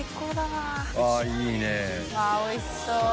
あぁおいしそう。